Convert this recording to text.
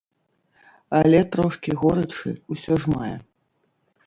Але трошкі горычы ўсё ж мае.